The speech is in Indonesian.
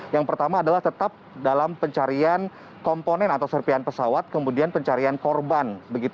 yang pertama adalah tetap dalam pencarian komponen atau serpian pesawat kemudian pencarian korban